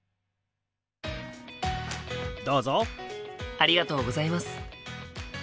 ありがとうございます。